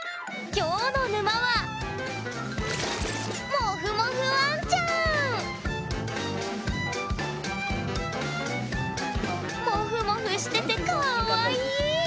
きょうの沼はモフモフしててかわいい！